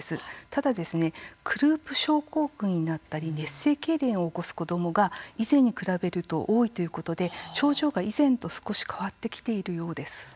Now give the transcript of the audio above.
ただ、クループ症候群になったり熱性けいれんを起こす子どもが以前に比べると多いということで症状が以前と少し変わってきているようです。